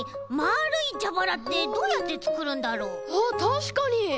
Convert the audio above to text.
あったしかに！